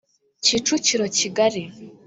Kicukiro kigali